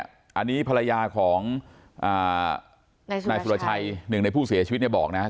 อันนี้ภรรยาของอ่านายสุรชัยนายสุรชัยหนึ่งในผู้เสียชีวิตเนี่ยบอกนะฮะ